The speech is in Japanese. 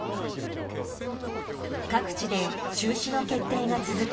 各地で中止の決定が続く